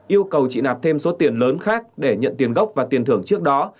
yêu cầu chị nạp thêm số tiền lớn khác để nhận tiền gốc và tiền thưởng trước đó